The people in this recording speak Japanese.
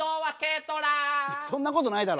いやそんなことないだろ。